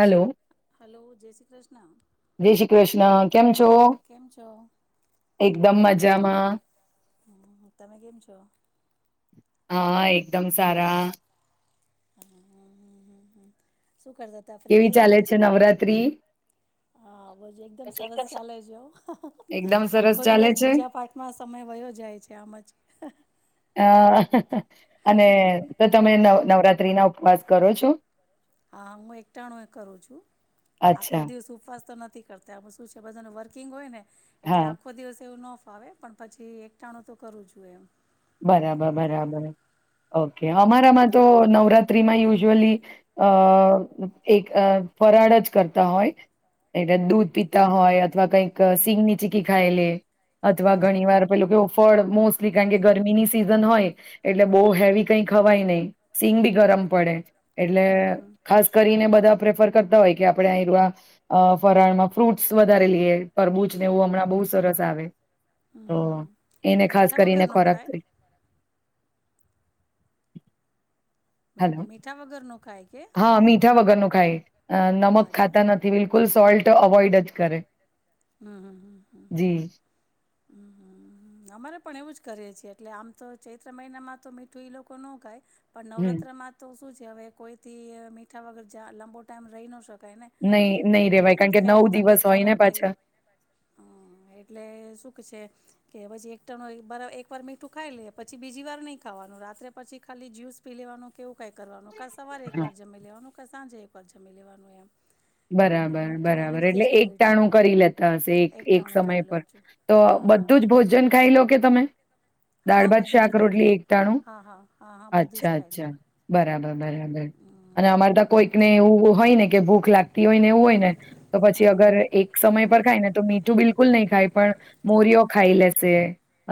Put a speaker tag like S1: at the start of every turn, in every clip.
S1: Hello
S2: hello જય શ્રી કૃષ્ણ
S1: જય શ્રી કૃષ્ણ કેમ છો?
S2: કેમ છો
S1: એકદમ મજા મજામા
S2: મજામાં તમે કેમ છો?
S1: હા એકદમ સારા.
S2: હમ શું કરતા તા ફ્રી
S1: કેવી
S2: થઈ
S1: ચાલે
S2: ગયા
S1: છે નવરાત્રી
S2: હા એકદમ સરસ ચાલે છે
S1: એકદમ સરસ
S2: આખો
S1: ચાલે
S2: દિવસ
S1: છે
S2: પૂજા પાઠમાં સમય વયો જાય છે આમ જ-
S1: અ. અને તો તમે નવ નવરાત્રી ના ઉપવાસ કરો છો?
S2: હા હું એકટાણું એ કરું છું, આખો
S1: અચ્છા
S2: દિવસ ઉપવાસ તો નથી કરતા, શું છે! બધા નો વર્કિંગ હોય ને, એટલે
S1: હા
S2: આખો દિવસે એવું ‌ન ફાવે પણ પછી એક ટાણું તો કરવું જોએ એમ
S1: બરાબર બરાબર ઓકે અમારામાં તો નવરાતિમાં યુઝુઅલી અ એક ફરાળ જ કરતા હોય એટલે દૂધ પીતા હોય, અથવા કઈક
S2: હા હા
S1: સીંગની ચીકી ખાઈ લે, અથવા
S2: અચ્છા
S1: ઘણી વાર
S2: અચ્છા
S1: પેલો કેવો ફળ મોસ્ટલી કારણ કે ગરમીની સીઝન હોય એટલે બો હેવી કઈ ખવાય નહી સિંગ બી ગરમ પડે એટલે
S2: હમ હમ
S1: ખાસ કરીને ને બધા પ્રેફર કરતા હોય કે આપણે ફરાળમાં ફ્રૂટસ વધારે લઈએ, તરબૂચ ને એવું હમણાં બહુ સરસ આવે
S2: હમ
S1: તો
S2: હમ એટલે
S1: એને ખાસ
S2: મીઠા વગર
S1: કરીને
S2: ન
S1: કરતય
S2: ખાય મી
S1: હલો.
S2: મીઠા વગર નખાાય કે?
S1: કઈ અ નમક
S2: અચ્છા
S1: ખાતા નથી બિલકુલ સોલ્ટ તો અવોઈડ જ કરે
S2: હ
S1: જી,
S2: અમારે પણ એવું જ કરે છે. એટલે આમ તો ચૈત્ર મહિનામાં તો મીઠું એ લોકો ન ખાય પણ
S1: હમ.
S2: નવરાત્રી માં તો શું છે જે હવે કોઈથી મીઠા વગર ચા લાંબો ટાઈમ રહી ન શકે
S1: નહી નહી રેવાય કારણ કે નવ દિવસ હોય ને પાછા
S2: હમ એટલે શું કે છે. કે પછી એકટણ એક વાર મીઠું ખાઈ લે. પછી બીજી વાર નઈ ખાવાનું. રાત્રે પછી ખાલી જ્યુસ પી લેવાનું કેવું કઈ કરવાનું કે સવારે એક
S1: હા.
S2: વાર જમી લેવાનું કે સાંજે જમી લેવાનું એમ એટલે
S1: બરાબર
S2: હું તો એવી
S1: બરાબર
S2: રીતે
S1: એટલે
S2: જ
S1: એક
S2: કરું છું
S1: ટાણું કરી લેતા હ એક એક
S2: એકટાણું
S1: સમય
S2: કરી
S1: પર
S2: લઉં છું
S1: તો
S2: હા
S1: બધું જ
S2: હા
S1: ભોજન ખાઈ લો કે તમે
S2: હા હા
S1: દાળ
S2: હા
S1: ભાત
S2: બધું જ
S1: શાક
S2: ખાઈ લો
S1: રોટલી એકટાણું.
S2: હા હા હા હા બધું જ
S1: અચ્છા
S2: ખાઈ લો
S1: અચ્છા બરાબર બરા બરાબર અને અમારે તા
S2: હમ,
S1: કોઈક ને એવું હોય ને કે ભૂખ લાગ તી હોય ને એવું હોય ને તો પછી
S2: હા
S1: અગર એક સમય પર ખાયને તો મીઠું બિલકુલ નહી ખાય. પણ મોરીઓ ખાઈ લેશે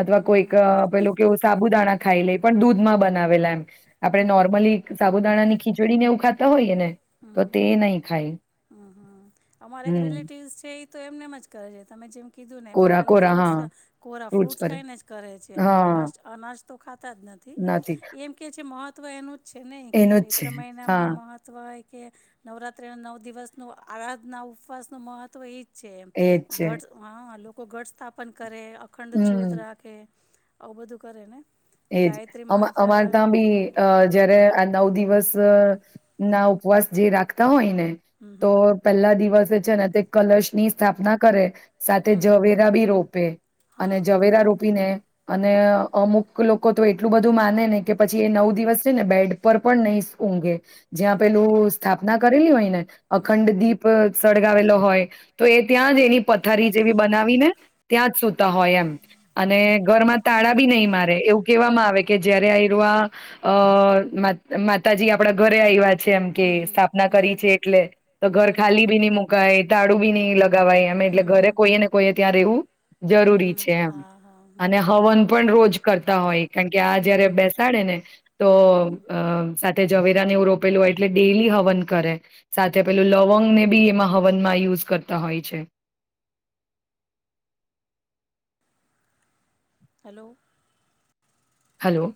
S2: હમ
S1: અથવા
S2: હમ
S1: કોઈક
S2: હમ
S1: પેલું કેવું સાબુદાણા ખાઈ લઈ પણ દૂધમાં બનાવેલા એમ આપણે
S2: હમ હમ
S1: નોર્મલી સાબુદાણાની ખી જોડીને એવું ખાતા હોઈએ ને
S2: હમ
S1: તો
S2: હમ
S1: તે નહી ખાય
S2: હમ હમ અમારે એક
S1: હમ
S2: રિલેટિવ છે તો એમનેમ જ કરે છે તમે જેમ કીધું ને મેં
S1: કોરા
S2: ખાલી
S1: કોરા હા
S2: ફ્રૂટ્સ કોરા ફ્રૂટ્સ ખાઈને જ કરે છે. હા અનાજ અનાજ તો ખા [unintelligible] જ નથી એમ કે છે મહવ તો એનું છે નહી કે
S1: એનું જ છે
S2: ચૈત્ર્ર
S1: હા
S2: મહિનામાં મહત્વ કે નવરાત્ર્રી ના નવ દિવસ નુ આરાધના ઉપવાસ નું મહત્વ એ છે.
S1: એજ
S2: એમ
S1: છે
S2: ઘટ હ કો ઘઢ સ્થાપન કરે. અખંડ
S1: હમ
S2: જ્યોત રાખે. આવું બધું કરે ને.
S1: એજ
S2: ગાયત્રી
S1: અમ અમ
S2: મંત્ર
S1: અમાર ત્યાં બી અ જયારે આ નવ દિવસ. દિવસ ના ઉપવાસ જે રાખતા હોય ને.
S2: હમ
S1: તો
S2: હમ
S1: પહેલા દિવસ. છે ને તે કલશ ની સ્થાપના કરે. સાથે
S2: હમ હમ
S1: જઝવેરા બી રોપે અને
S2: હા
S1: જઝવેરા રોપીને. અને અમુક. લોકો તો એટલું બધું માને ને કે પછી એ નવ દિવસ છે ને બેડ પર પણ નહી સુ ઊંઘે. જ્યાં પેલું સ્થાપ. ના કરેલી હોય ને.
S2: હમ
S1: અખંડદીપ સળગાવેલો હોય તો એ ત્યાં જ એની પથારી જેવી બનાવી ને. ત્યાં જ સુતા હોય એમ અને. ઘર માં તાડા બી નહીં મારે. એવું કહેવામાં આવે કે જયારે અ મ માતાજી આપડા ઘરે આયવા એમ કે સ્થાપના કરી છે એટલે તો ઘર ખાલી બી નહી મુકાય. દાડું બ નહીં લગ. ગાવાય અમે એટલે ઘરે કોઈ ને કોઈ. ત્યારે એવું. જરૂરી
S2: હમ
S1: છે એમ
S2: હા હા
S1: અને હવન પણ રોજ. કરતા હોય. કારણ કે આ જયારે બેસાડે ને તો અ સાચ. જઝવેરાને એવું રોપેલું હોય એટલે ડેલી હવન કરે સાથે પેલું લવંગને બી એમાં હવનમાં યુઝ કરતા હોય છે.
S2: હલો.
S1: હલો.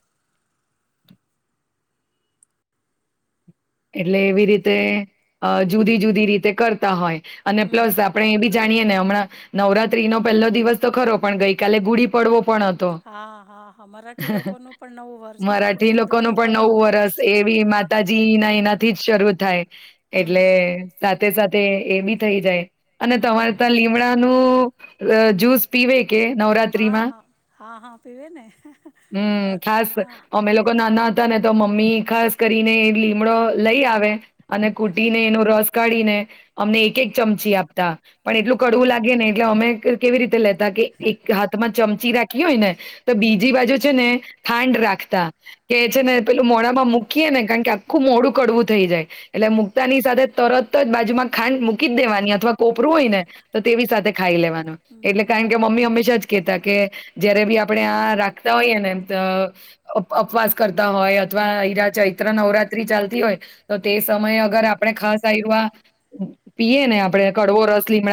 S1: એટલે એવી રીતે આ જુદી જુદી રીતે કર તા હોય. અને
S2: હમ
S1: પ્લસ આપડે એ બી જાણીએે ને હમણાં નવરાત્રી નો પહેલો દિવસ તો ખરો પણ ગઈકાલે ગુડી પડવો પણ હતો.
S2: હા હા હા મરાઠી લોકોનું પણ નવું વર્ષ ને આપણું
S1: મરાઠી લોકોનું
S2: હિન્દુઓનું પણ નવું વર્ષ છે.
S1: નાથી જ શરૂ થાય એટલે
S2: હમ
S1: સાથે સાથે ના તે એ બી થઈ જાય. અને
S2: હમ હમ
S1: તમારે
S2: હમ
S1: ત્યાં લીમડાનું રા જ્યુસ પીવે. કે
S2: હા
S1: નવરાત્રીમાં?
S2: હા હા હા પીવે ને હા.
S1: તને તો મમ્મી ખાસ કરીને લીમડો લઈ આવે. અને ખૂટી
S2: હા
S1: ને એનો રસ કાઢીને કા અમને એક એક ચમચી આપતા પણ એટલું
S2: અચ્છા
S1: કડવું લાગે ને એટલે અમે કે કેવી રીતે લે ત કે એક હાથમાં ચમચ ચિરાકીયો હોય ને. તો
S2: હમ
S1: બીજી
S2: હમ
S1: બાજુ છે ને ખાંડ રાખ તા. કે
S2: હમ
S1: છે
S2: હમ
S1: ને પેલું મોડામાં મૂકીએ ને કારણ કે આખું મોડું કડવું થઈ જાય એટલે
S2: હમ
S1: મુક્તાની સાથે તો તરત જ બાજુમાં ખાંડ મૂકી જ દેવાની હતી. અથવા કોપરું હોય ને તો તેવી સાથે ખાઈ લેવાનું
S2: હમ
S1: એટલે
S2: હમ
S1: કારણ કે મમ્મી હંમેશા જ કેતા કે જયારે બી આપણેે આ રાખતા હોઈય ને તો આ આ આપવાસ કરતા હોય અથવા ઈરા ચૈત્ર નવરાત્રી ચાલ તી હોય તો તે સમયે અગર આપણે ખાસ આ આયરૂ પીએ ને આપડે કડવો રસ લીમડા